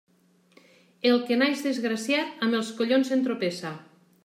El que naix desgraciat, amb els collons entropessa.